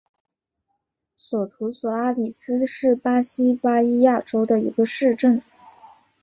索图索阿里斯是巴西巴伊亚州的一个市镇。